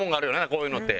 こういうのって。